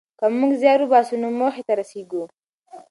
که موږ زیار وباسو نو موخې ته رسېږو.